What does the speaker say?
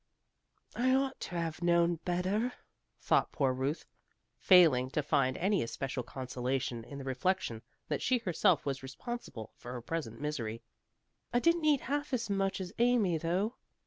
"I ought to have known better," thought poor Ruth, failing to find any especial consolation in the reflection that she herself was responsible for her present misery. "I didn't eat half as much as Amy, though."